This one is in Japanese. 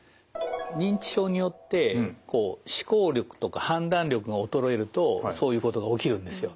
認知症によって思考力とか判断力が衰えるとそういうことが起きるんですよ。